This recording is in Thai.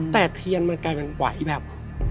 แต่เทียนมันกลายเป็นไหวแบบ